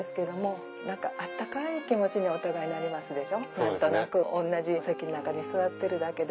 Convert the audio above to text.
何となく同じ席の中に座ってるだけで。